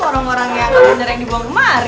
lo orang orang yang akan bener yang dibawa kemari